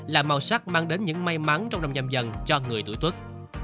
là màu sắc mang đến những may mắn trong năm nhâm dận cho người tuổi tuốt